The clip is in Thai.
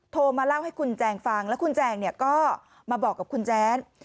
โทรมาเล่าให้คุณแจงฟังแล้วคุณแจงเนี่ยก็มาบอกกับคุณแจ๊ด